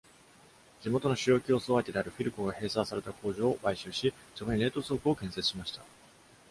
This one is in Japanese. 地元の主要競争相手であるフィルコが閉鎖された工場を買収し、そこに冷凍倉庫を建設しました。